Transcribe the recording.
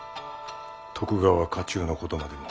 徳川家中のことまでも。